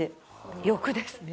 「欲ですね。